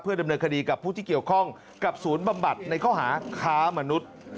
ดำเนินคดีกับผู้ที่เกี่ยวข้องกับศูนย์บำบัดในข้อหาค้ามนุษย์